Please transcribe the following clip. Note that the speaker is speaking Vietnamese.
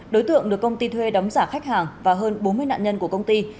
đối tượng được công ty thuê đóng giả khách hàng và hơn bốn mươi nạn nhân của công ty